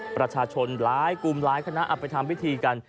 ประชาชนหลายกลุ่มหลายคณะเอาไปทำพิธีกัน